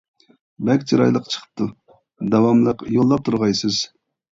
بەك چىرايلىق چىقىپتۇ، داۋاملىق يوللاپ تۇرغايسىز.